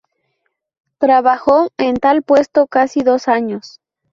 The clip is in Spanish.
Trabajó en tal puesto casi dos años.